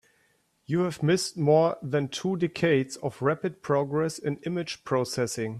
You have missed more than two decades of rapid progress in image processing.